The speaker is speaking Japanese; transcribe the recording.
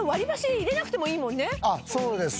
そうですね。